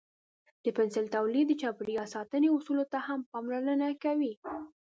د پنسل تولید د چاپیریال ساتنې اصولو ته هم پاملرنه کوي.